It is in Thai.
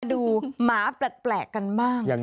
ดูหมาแปลกกันบ้าง